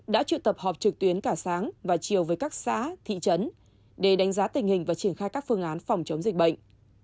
đã trự tập họp trực tuyến cả sáng và chiều với các xã thị trấn để đánh giá tình hình và triển khai các phương án phòng chống dịch bệnh